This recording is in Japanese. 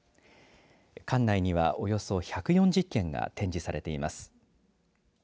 館内にはおよそ１４０点が展示されています。